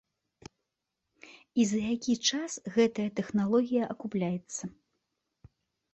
І за які час гэтая тэхналогія акупляецца?